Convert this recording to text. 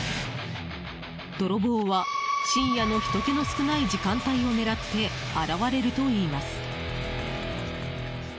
泥棒は、深夜のひとけの少ない時間帯を狙って現れるといいます。